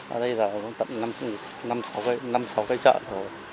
ở đây là tầm năm sáu cái chợ rồi